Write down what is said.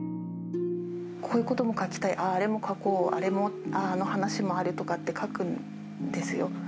こういうことも書きたい、ああ、あれも書こう、あれも、あの話も、あれとかって書くんですよ。